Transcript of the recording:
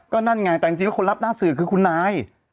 ก็นั่นไงแต่จริงว่าคนรับหน้าสื่อคือคุณนาย